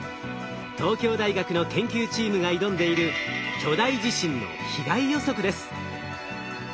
東京大学の研究チームが挑んでいる巨大地震の被害予測です。